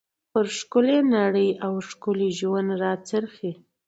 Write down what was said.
پر ښکلى نړۍ او ښکلي ژوند را څرخي.